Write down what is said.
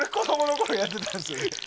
これやってたんですよね？